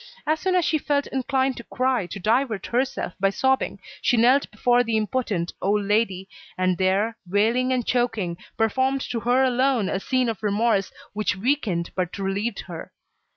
As soon as she felt inclined to cry, to divert herself by sobbing, she knelt before the impotent old lady, and there, wailing and choking, performed to her alone a scene of remorse which weakened but relieved her.